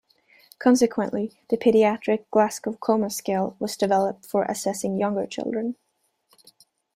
Consequently, the Pediatric Glasgow Coma Scale was developed for assessing younger children.